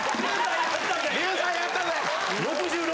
竜さんやったぜ。